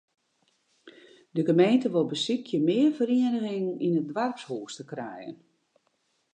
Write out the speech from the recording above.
De gemeente wol besykje mear ferieningen yn it doarpshûs te krijen.